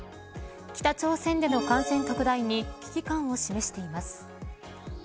北朝鮮での感染拡大に危機感を示しています。